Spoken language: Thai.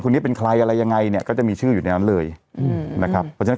นี้เป็นใครอะไรยังไงเนี่ยก็จะมีชื่ออยู่ในนั้นเลยอืมนะครับเพราะฉะนั้น